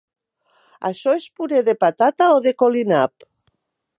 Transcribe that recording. Això és puré de patata o de colinap?